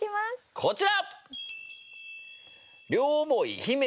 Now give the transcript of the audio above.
こちら！